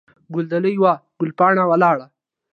ګل دلې وو، ګل پاڼه ولاړه.